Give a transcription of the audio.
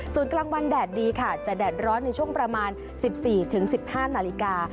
ส่วนกลางวันแดดดีค่ะจะแดดร้อนในช่วงประมาณ๑๔๑๕นาฬิกา